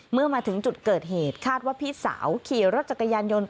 เมื่อมาถึงจุดเกิดเหตุคาดว่าพี่สาวขี่รถจักรยานยนต์